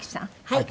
はい。